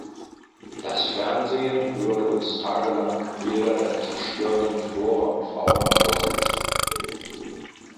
Das Fernsehen würde uns tagelang Bilder der zerstörten Flora und Fauna vorsetzen.